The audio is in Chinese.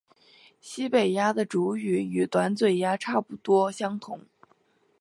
西北鸦的主羽与短嘴鸦差不多相同。